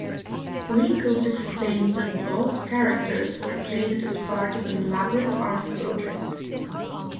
Wrinkles explains that both characters were created as part of an elaborate art project.